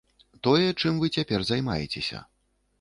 Тое, чым вы цяпер займаецеся.